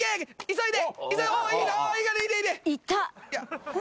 急いで！